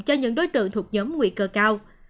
cho những đối tượng thuộc nhóm nguy cơ cao